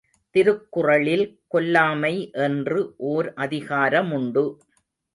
திருக்குறளில், கொல்லாமை என்று ஒர் அதிகார முண்டு.